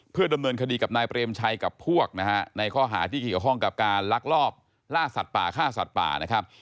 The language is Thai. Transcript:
เพื่อดำเนินคดีกับนายเปรมชัยกับพวกนะฮะในข้อหาที่เกี่ยวข้องกับการลักลอบล่าสัตว์ป่าฆ่าสัตว์ป่านะครับ